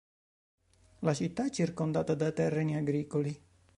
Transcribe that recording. La città è circondata da terreni agricoli.